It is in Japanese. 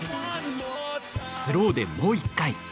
スローで、もう１回。